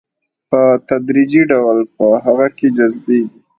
په تدريجي ډول په هغه کې جذبيږي.